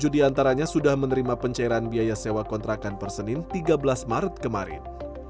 satu ratus dua puluh tujuh diantaranya sudah menerima pencairan biaya sewa kontrakan per senin tiga belas maret kemarin